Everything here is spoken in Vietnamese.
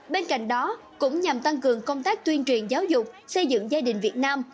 bên cạnh đó cũng nhằm tăng cường công tác tuyên truyền giáo dục xây dựng gia đình việt nam